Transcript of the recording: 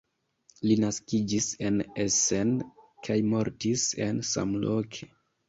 Li naskiĝis en Essen kaj mortis la samloke.